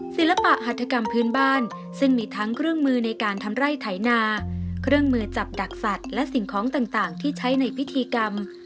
ศิลปะหัฐกรรมพื้นบ้านซึ่งมีทั้งเครื่องมือในการทำไร่ไถนาเครื่องมือจับดักสัตว์และสิ่งของต่างที่ใช้ในพิธีกรรม